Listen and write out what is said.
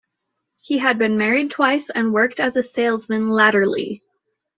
He had been married twice and worked as a salesman latterly.